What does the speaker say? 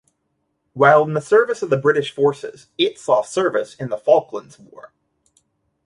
While in the service of British forces, it saw service in the Falklands War.